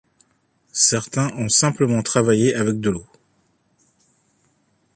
Certains ont simplement travaillé avec de l'eau.